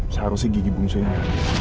seharusnya gigi bungsunya